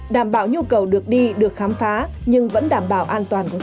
đảm bảo nhu cầu được đi được khám phá nhưng vẫn đảm bảo an toàn của du khách